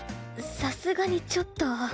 さすがにちょっと。